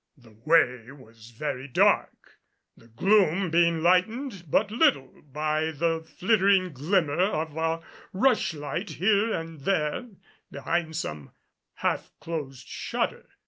The way was very dark, the gloom being lightened but little by the fluttering glimmer of a rush light here and there behind some half closed shutter.